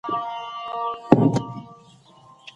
افغان کارګران د نړیوالو ډیپلوماټانو سره لیدنه نه سي کولای.